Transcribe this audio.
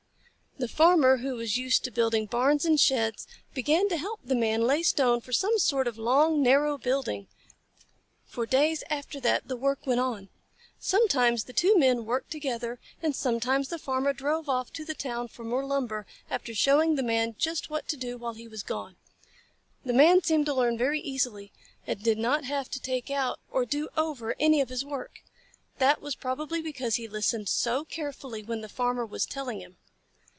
The Farmer, who was used to building barns and sheds, began to help the Man lay stone for some sort of long, narrow building. For days after that the work went on. Sometimes the two Men worked together, and sometimes the Farmer drove off to town for more lumber, after showing the Man just what to do while he was gone. The Man seemed to learn very easily, and did not have to take out or do over any of his work. That was probably because he listened so carefully when the Farmer was telling him.